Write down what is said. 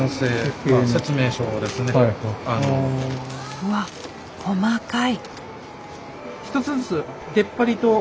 うわっ細かい。